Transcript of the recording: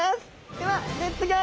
ではレッツギョー！